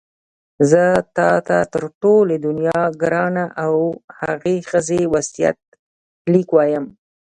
زه تا ته تر ټولې دنیا ګرانه د هغې ښځې وصیت لیک وایم.